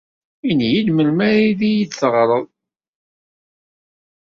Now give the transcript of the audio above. Ini-iyi-d melmi ara iyi-d-teɣreḍ.